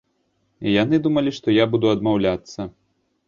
Яны думалі, што я буду адмаўляцца.